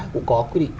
cũng có quy định